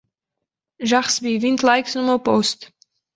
Já recebi vinte likes no meu post